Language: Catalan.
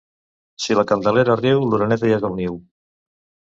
Si la Candelera riu, l'oreneta ja és al niu.